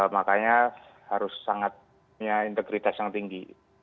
makanya harus sangatnya integritas yang tinggi